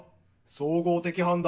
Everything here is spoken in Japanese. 総合的判断。